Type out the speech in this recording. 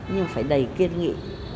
nhưng mà phải đầy kiên nghị